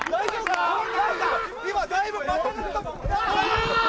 ・今だいぶまたがったもんああ！